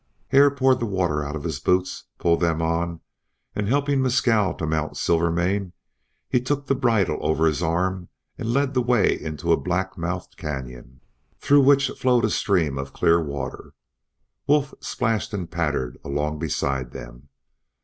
Hare poured the water out of his boots, pulled them on, and helping Mescal to mount Silvermane, he took the bridle over his arm and led the way into a black mouthed canyon, through which flowed a stream of clear water. Wolf splashed and pattered along beside him.